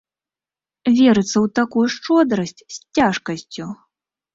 Верыцца ў такую шчодрасць з цяжкасцю.